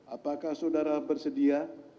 apakah saudara bersedia